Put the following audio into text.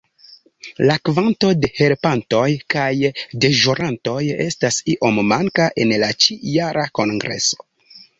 La kvanto de helpantoj kaj deĵorantoj estas iom manka en la ĉi-jara kongreso.